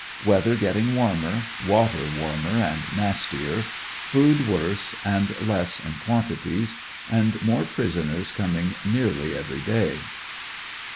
Weather getting warmer, water warmer and nastier, food worse and le^s in quantities, and more prisoners com ing nearly every day.